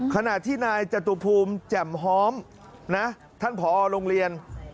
ขณะที่นายจตุภูมิแจ่มฮ้อมนะท่านผอโรงเรียน